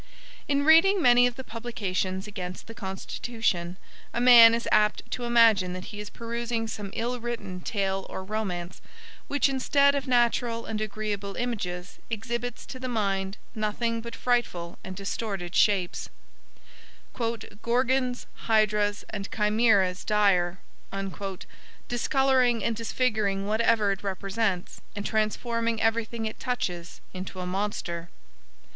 In reading many of the publications against the Constitution, a man is apt to imagine that he is perusing some ill written tale or romance, which instead of natural and agreeable images, exhibits to the mind nothing but frightful and distorted shapes "Gorgons, hydras, and chimeras dire"; discoloring and disfiguring whatever it represents, and transforming everything it touches into a monster.